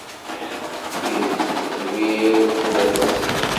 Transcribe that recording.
Times tzewwir sdat-s.